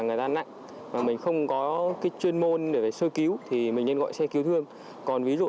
người ta nặng mà mình không có cái chuyên môn để sơ cứu thì mình nên gọi xe cứu thương còn ví dụ